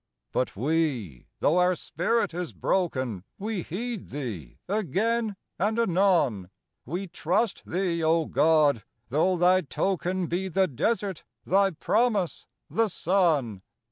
But we, though our spirit is broken, We heed thee again and anon; We trust thee, O God, though thy token Be the desert, thy promise, the sun.